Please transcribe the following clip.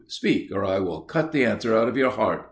Speak! or I will cut an answer out of your heart!"